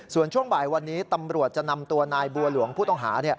ส่วนช่วงบ่ายวันนี้ตำรวจจะนำตัวนายบัวหลวงผู้ต้องหา